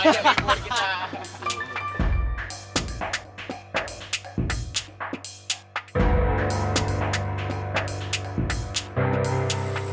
bikin keluar kita